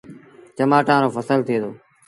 چمآٽآن رو ڦسل ٿئي دو۔